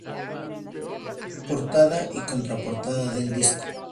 Portada y contraportada del disco.